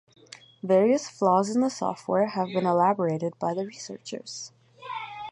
Various flaws in the software have been elaborated by researchers.